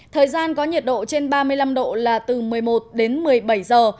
thời gian có nhiệt độ trên ba mươi năm độ là từ một mươi một đến một mươi bảy giờ